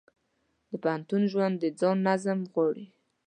د پوهنتون ژوند د ځان نظم غواړي.